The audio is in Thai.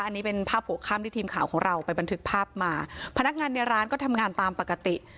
อันนี้เป็นภาพหัวข้ามที่ทีมข่าวของเราไปบันทึกภาพมาพนักงานในร้านก็ทำงานตามปกติ